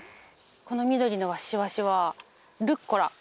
この緑のシワシワはルッコラ。